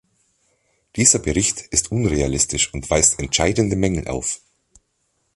Dieser Bericht ist unrealistisch und weist entscheidende Mängel auf.